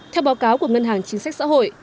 theo báo cáo của ngân hàng chính sách xã hội